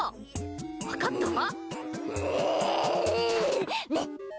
分かったか？